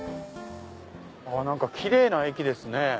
キレイな駅ですね。